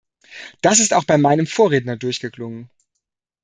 Das ist auch bei meinem Vorredner durchgeklungen.